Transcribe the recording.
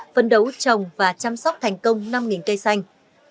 phấn đấu trồng và chăm sóc thành công năm cây xanh